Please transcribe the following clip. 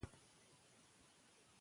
که خویندې تکړه وي نو سستي به نه وي.